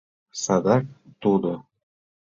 Садак тудо: